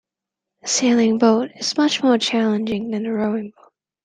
A sailing boat is much more challenging than a rowing boat